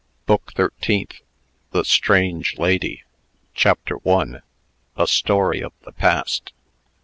BOOK THIRTEENTH THE STRANGE LADY. CHAPTER I. A STORY OF THE PAST.